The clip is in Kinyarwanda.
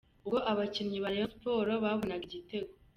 Ubwo abakinnyi ba Rayon Sports babonaga igitego.